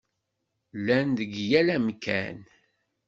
Llan deg yal amkan.